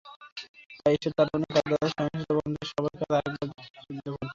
তাই এসব তালেবানি কায়দার সহিংসতা বন্ধে সবাইকে আরেকবার যুদ্ধ করতে হবে।